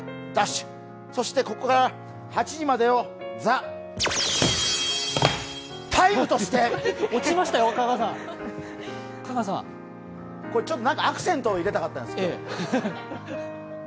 そして、ここから８時までを「ＴＨＥＴＩＭＥ，」としてこれ、ちょっとアクセントを入れたかったんです。